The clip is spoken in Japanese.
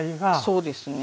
そうですね。